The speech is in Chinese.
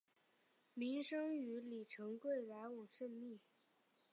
明升与李成桂来往甚密。